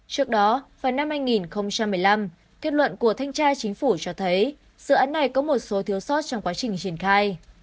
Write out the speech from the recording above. trước đó vào năm hai nghìn một mươi năm kết luận của thanh tra chính phủ cho thấy dự án này có một số thiếu sót trong quá trình triển khai